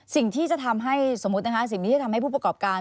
สิ่งที่จะทำให้สมมุตินะคะสิ่งที่จะทำให้ผู้ประกอบการ